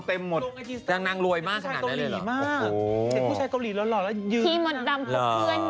ที่มดดำของเพื่อนเยอะ